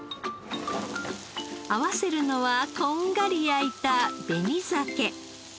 合わせるのはこんがり焼いた紅鮭。